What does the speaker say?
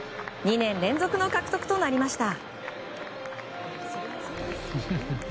２年連続の獲得となりました。